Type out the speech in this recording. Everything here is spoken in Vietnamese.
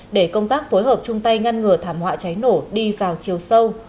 để công tác phối hợp chung tay ngăn ngừa thảm họa cháy nổ đi vào chiều sâu